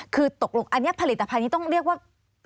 คือตกลงอันนี้ผลิตภัณฑ์นี้ต้องเรียกว่า